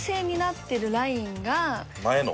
前の？